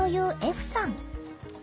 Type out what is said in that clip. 歩さん。